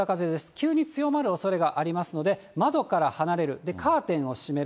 急に強まるおそれがありますので、窓から離れる、カーテンを閉める。